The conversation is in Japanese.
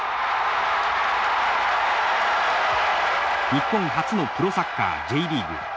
日本初のプロサッカーＪリーグ。